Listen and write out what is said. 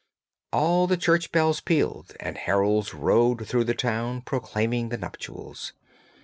All the church bells pealed and heralds rode through the town proclaiming the nuptials.